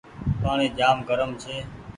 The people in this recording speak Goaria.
پآڻيٚ جآم گرم ڇي۔